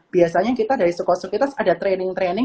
biasanya kita dari sukosukitas ada training training